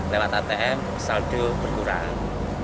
lewat atm saldo berkurang